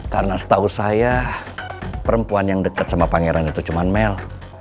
karena setahu saya perempuan yang deket sama pangeran itu cuma mel